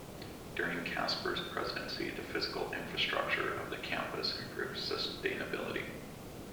During Casper's presidency, the physical infrastructure of the campus improved substantially.